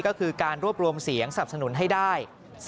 ก็คือการรวบรวมเสียงสนับสนุนให้ได้